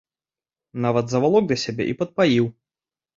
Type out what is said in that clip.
Нават завалок да сябе і падпаіў.